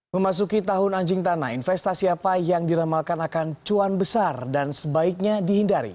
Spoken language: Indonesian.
memasuki tahun anjing tanah investasi apa yang diramalkan akan cuan besar dan sebaiknya dihindari